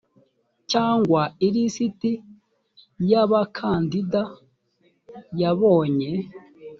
cyangwa ilisiti y abakandida yabonye